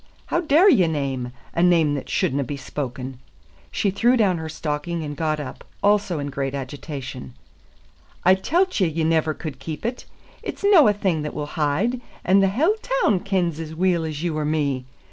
How daur ye name a name that shouldna be spoken?" She threw down her stocking and got up, also in great agitation. "I tellt ye you never could keep it. It's no a thing that will hide, and the haill toun kens as weel as you or me.